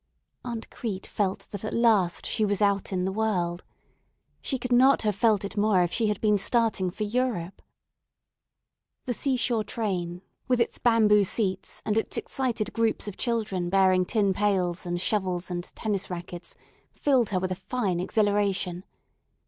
Aunt Crete felt that at last she was out in the world. She could not have felt it more if she had been starting for Europe. The seashore train, with its bamboo seats and its excited groups of children bearing tin pails and shovels and tennis rackets, filled her with a fine exhilaration.